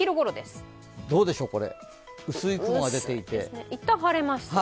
どうでしょう、薄い雲が出ていていったん、晴れます。